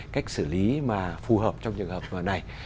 cách xử lý mà phù hợp trong trường hợp này